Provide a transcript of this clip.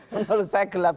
menurut saya gelap